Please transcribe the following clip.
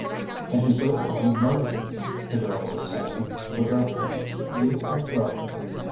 And you go on Monday," the girl was saying, regret fully,— you and brother."